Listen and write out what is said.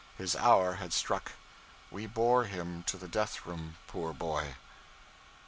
His hour had struck; we bore him to the death room, poor boy.